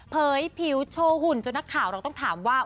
ผิวโชว์หุ่นจนนักข่าวเราต้องถามว่า